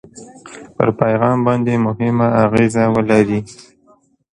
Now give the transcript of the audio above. پر پیغام باندې مهمه اغېزه ولري.